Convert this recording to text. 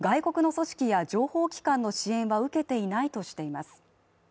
外国の組織や情報機関の支援は受けていないとしています。